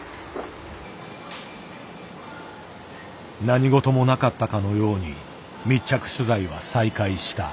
何事もなかったかのように密着取材は再開した。